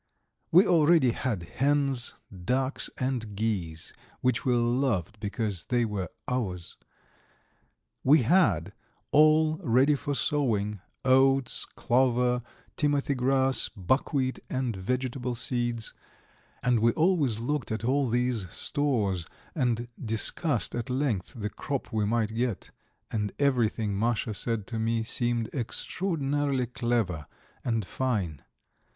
We already had hens, ducks, and geese, which we loved because they were ours. We had, all ready for sowing, oats, clover, timothy grass, buckwheat, and vegetable seeds, and we always looked at all these stores and discussed at length the crop we might get; and everything Masha said to me seemed extraordinarily clever, and fine.